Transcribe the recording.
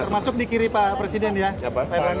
termasuk di kiri pak presiden ya